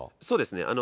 そうですね。